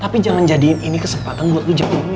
tapi jangan jadiin ini kesempatan buat lo jatuhin michelle